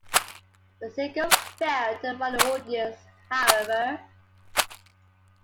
The single failed to find an audience, however.